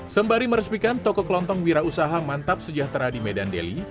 sembari meresmikan toko kelontong wira usaha mantap sejahtera di medan delhi